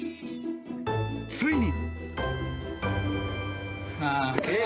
ついに！